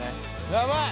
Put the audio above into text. やばい！